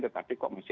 tetapi kok masih